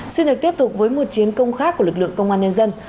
xin được tiếp tục với một chiến công khác của lực lượng công an nhân dân